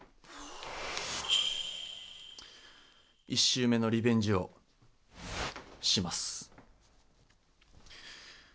１週目のリベンジをします。